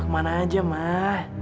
kemana aja mah